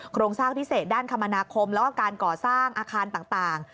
โครงสร้างพิเศษด้านคมนาคมแล้วก็การก่อสร้างอาคารต่าง